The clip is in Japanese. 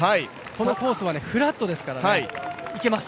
このコースはふらっとですから、いけます。